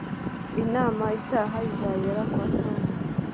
inama itaha izabera kwa tom